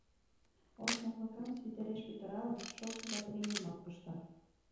Ош моклакам, свитереш пӱтыралын, шокшо батарей йымак пышта.